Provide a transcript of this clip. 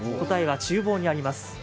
答えはちゅう房にあります。